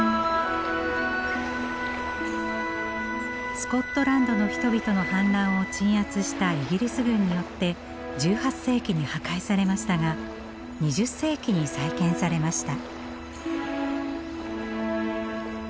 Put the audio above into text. スコットランドの人々の反乱を鎮圧したイギリス軍によって１８世紀に破壊されましたが２０世紀に再建されました。